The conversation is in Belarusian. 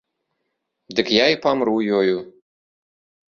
Дык я і памру ёю.